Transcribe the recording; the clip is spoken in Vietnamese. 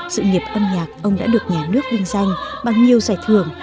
dự nghiệp âm nhạc ông đã được nhà nước huyên danh bằng nhiều giải thưởng